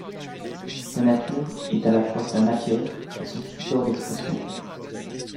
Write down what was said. La nature est à la fois sa matière et son support d'expression.